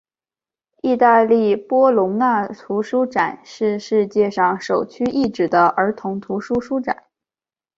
意大利波隆那童书展是世界上首屈一指的儿童图书书展。